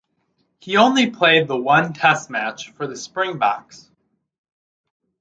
He only played the one test match for the Springboks.